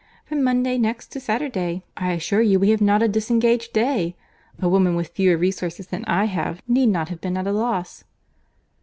From Monday next to Saturday, I assure you we have not a disengaged day!—A woman with fewer resources than I have, need not have been at a loss."